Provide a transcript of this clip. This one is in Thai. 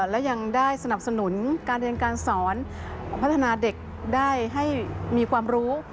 และยังได้สนับสนุนการเรียนการสอนพัฒนาเด็กได้ให้มีความรู้